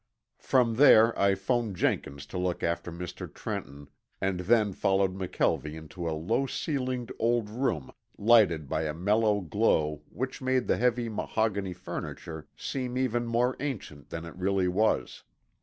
From there I phoned Jenkins to look after Mr. Trenton, and then followed McKelvie into a low ceilinged old room lighted by a mellow glow which made the heavy mahogany furniture seem even more ancient than it really was.